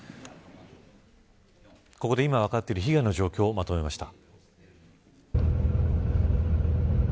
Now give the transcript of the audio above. ここで今分かっている被害の状況をまとめました。